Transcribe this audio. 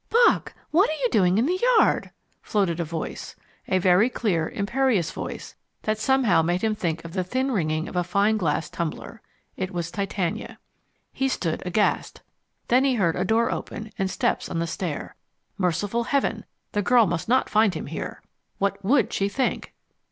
"Bock, what are you doing in the yard?" floated a voice a very clear, imperious voice that somehow made him think of the thin ringing of a fine glass tumbler. It was Titania. He stood aghast. Then he heard a door open, and steps on the stair. Merciful heaven, the girl must not find him here. What WOULD she think?